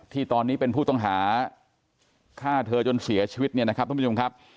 ที่ตอนนี้เป็นผู้ต้องหาฆ่าเธอจนเสียชีวิตนี่นะครับ